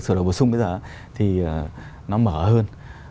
sửa đổi bổ sung bây giờ thì nó mở hơn